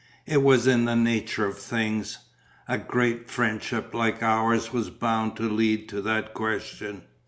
It was in the nature of things. A great friendship like ours was bound to lead to that question.